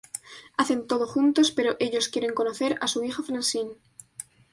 Hacen todo juntos pero ellos quieren conocer a su hija Francine.